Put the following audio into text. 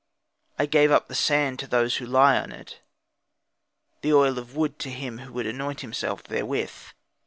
I gave up the sand to those who lie on it; the oil of wood to him who would anoint himself therewith.